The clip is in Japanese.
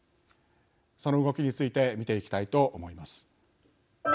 その動きについて見ていきたいと思います。